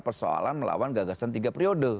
persoalan melawan gagasan tiga periode